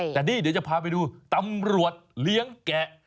แต่นี่เดี๋ยวจะพาไปดูตำรวจเลี้ยงแกะ